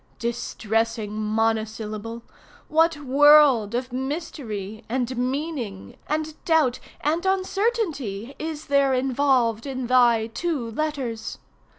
Distressing monosyllable! what world of mystery, and meaning, and doubt, and uncertainty is there involved in thy two letters!